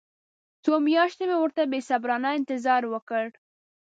څو میاشتې مې ورته بې صبرانه انتظار وکړ.